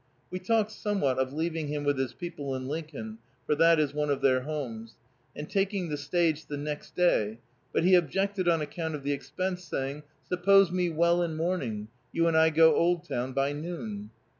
We talked somewhat of leaving him with his people in Lincoln, for that is one of their homes, and taking the stage the next day, but he objected on account of the expense saying, "Suppose me well in morning, you and I go Oldtown by noon."